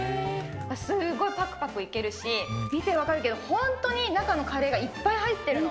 すごいぱくぱくいけるし、見て分かるけど、本当に中のカレーがいっぱい入ってるの。